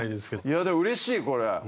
いやでもうれしいこれほんとに。